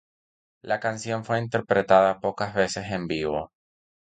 La canción fue interpretada pocas veces en vivo.